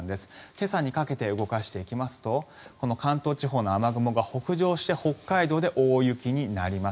今朝にかけて動かしていきますとこの関東地方の雨雲が北上して北海道で大雪になります。